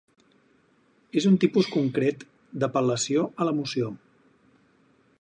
És un tipus concret d'Apel·lació a l'emoció.